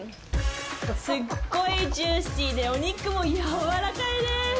すっごいジューシーでお肉もやわらかいです。